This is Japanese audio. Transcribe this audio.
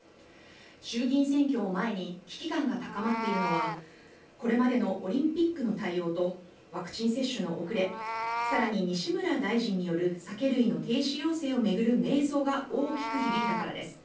衆議院選挙を前に危機感が高まっているのはこれまでのオリンピックの対応とワクチン接種の遅れ更に、西村大臣による酒類の停止要請を巡る迷走が大きく響いたからです。